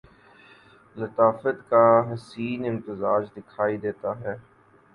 لطافت کا حسین امتزاج دکھائی دیتا ہے